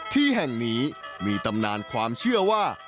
ที่แห่งนี้มีตำนานความเชื่อว่า